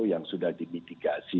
yang sudah dimitigasi